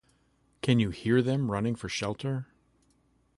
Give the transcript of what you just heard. Can you hear them running for shelter?